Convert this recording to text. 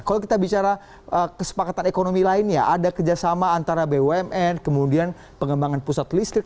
kalau kita bicara kesepakatan ekonomi lainnya ada kerjasama antara bumn kemudian pengembangan pusat listrik